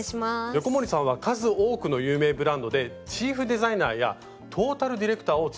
横森さんは数多くの有名ブランドでチーフデザイナーやトータルディレクターを務めてこられたんですよね。